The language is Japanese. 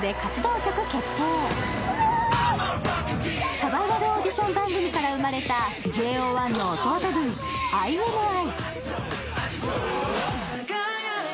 サバイバルオーデション番組から生まれたＪＯ１の弟分、ＩＮＩ。